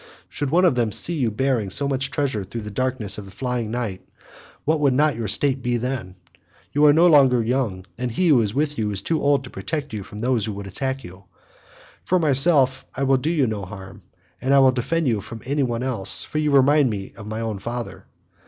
Should some one of them see you bearing so much treasure through the darkness of the flying night, what would not your state then be? You are no longer young, and he who is with you is too old to protect you from those who would attack you. For myself, I will do you no harm, and I will defend you from any one else, for you remind me of my own father."